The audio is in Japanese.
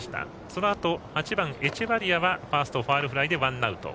そのあと、８番のエチェバリアはファーストへのファウルフライでワンアウト。